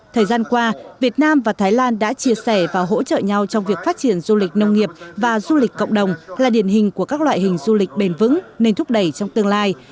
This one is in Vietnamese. thời gian qua việt nam và thái lan đã chia sẻ và hỗ trợ nhau trong việc phát triển du lịch nông nghiệp và du lịch cộng đồng là điển hình của các loại hình du lịch bền vững nên thúc đẩy trong tương lai